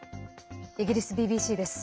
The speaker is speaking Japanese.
イギリスＢＢＣです。